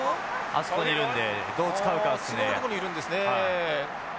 あそこにいるのでどう使うかですね。